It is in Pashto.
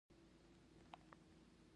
د ستوني د درد لپاره کوم څاڅکي وکاروم؟